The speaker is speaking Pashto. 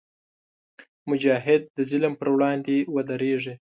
مجاهد د ظلم پر وړاندې ودریږي.